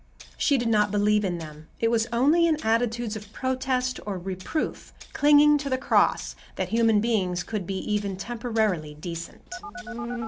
She did not believe in them. It was only in attitudes of protest or reproof, clinging to the cross, that human beings could be even temporarily decent.